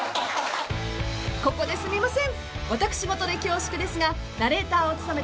ここですみません。